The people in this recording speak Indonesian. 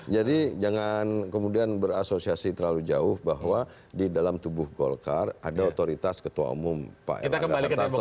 jadi jangan kemudian berasosiasi terlalu jauh bahwa di dalam tubuh golkar ada otoritas ketua umum pak erlangga hartarto